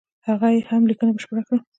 هغه یې هم لیکنه بشپړه کړه.